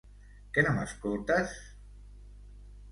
Que no m'escoltes?